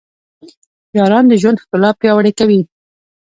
یاران د ژوند ښکلا پیاوړې کوي.